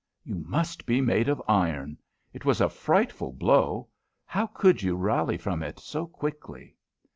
"You must be made of iron. It was a frightful blow. How could you rally from it so quickly?"